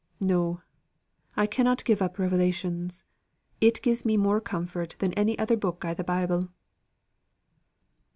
No, I cannot give up Revelations. It gives me more comfort than any other book i' the Bible."